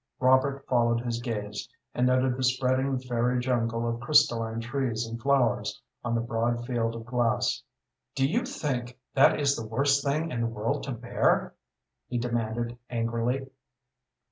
Robert followed his gaze, and noted the spreading fairy jungle of crystalline trees and flowers on the broad field of glass. "Do you think that is the worst thing in the world to bear?" he demanded, angrily.